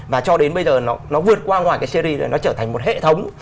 và cho đến bây giờ nó vượt qua ngoài cái series nó trở thành một hệ thống